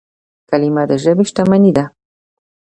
کلیمه د ژبي شتمني ده.